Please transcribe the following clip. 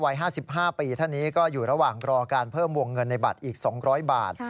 วัย๕๕ปีท่านนี้ก็อยู่ระหว่างรอการเพิ่มวงเงินในบัตรอีก๒๐๐บาท